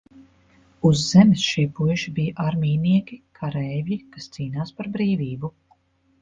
Uz Zemes šie puiši bija armijnieki, kareivji, kas cīnās par brīvību.